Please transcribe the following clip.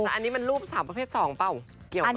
แต่อันนี้มันรูปสาวประเภท๒เปล่าเกี่ยวไหม